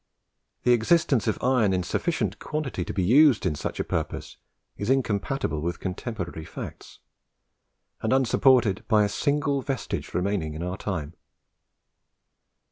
The existence of iron in sufficient quantity to be used for such a purpose is incompatible with contemporary facts, and unsupported by a single vestige remaining to our time.